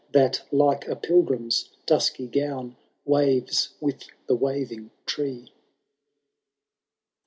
That, like a pilgrim's dusky gown. Waves with the waving tree.'